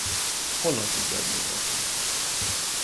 Honnan tudja, hogy mi voltunk?